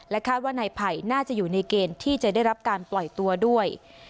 คาดว่านายไผ่น่าจะอยู่ในเกณฑ์ที่จะได้รับการปล่อยตัวด้วย